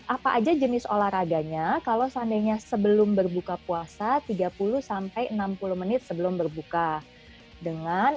apa aja jenis olahraganya kalau seandainya sebelum berbuka puasa tiga puluh sampai enam puluh menit sebelum berbuka dengan